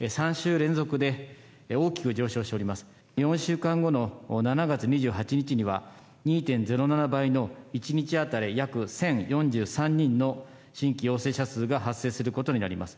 ４週間後の７月２８日には２．０７倍の１日当たり約１０４３人の新規陽性者数が発生することになります。